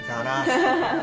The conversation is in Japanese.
ハハハ。